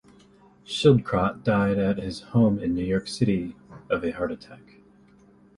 Schildkraut died at his home in New York City of a heart attack.